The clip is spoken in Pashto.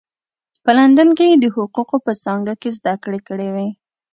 په لندن کې یې د حقوقو په څانګه کې زده کړې کړې وې.